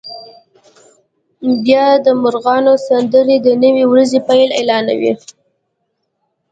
بیا د مرغانو سندرې د نوې ورځې پیل اعلانوي